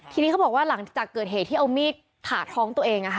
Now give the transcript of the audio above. ทีนี้เขาบอกว่าหลังจากเกิดเหตุที่เอามีดผ่าท้องตัวเอง